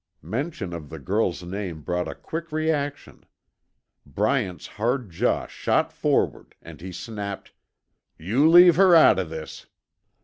Mention of the girl's name brought a quick reaction. Bryant's hard jaw shot forward and he snapped, "You leave her out o' this."